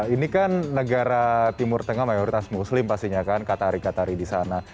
ini kan negara timur tengah mayoritas muslim pastinya kan katari katari di sana